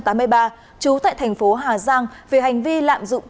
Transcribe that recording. trú tại thành phố hà giang về hành vi lạm dụng